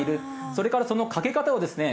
それからかけ方をですね